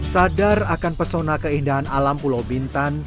sadar akan persona keindahan alam pulau bintan